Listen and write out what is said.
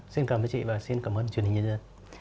xin cảm ơn chị và xin cảm ơn truyền hình nhân dân